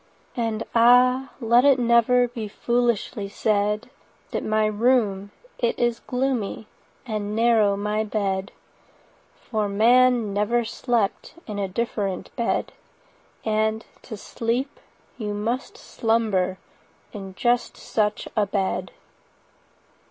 And ah! let it never 45 Be foolishly said That my room it is gloomy, And narrow my bed; For man never slept In a different bed— 50 And, to sleep, you must slumber In just such a bed.